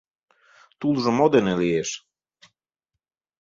— Тулжо мо дене лиеш?